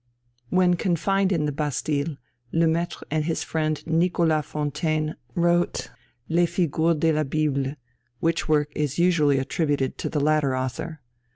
When confined in the Bastille, Le Maistre and his friend Nicolas Fontaine wrote Les Figures de la Bible, which work is usually attributed to the latter author.